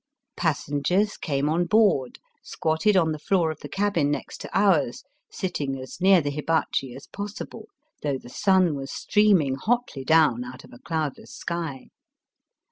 Passengers came on board, squatted on the floor of the cabin next to ours, sitting as near the hibachi as possible, though the sun was streaming hotly down out of a cloudless sky.